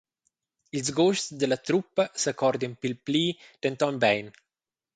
Ils gusts dalla truppa s’accordien pil pli denton bein.